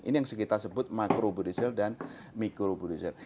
ini yang kita sebut makrobrunsel dan mikrobrunsel